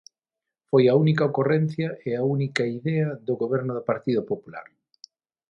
Foi a única ocorrencia e a única idea do Goberno do Partido Popular.